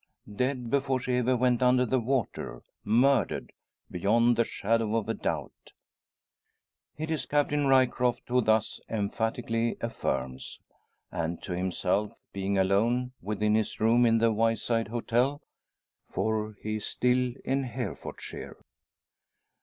Dead before she ever went under the water. Murdered, beyond the shadow of a doubt." It is Captain Ryecroft who thus emphatically affirms. And to himself, being alone, within his room in the Wyeside Hotel; for he is still in Herefordshire.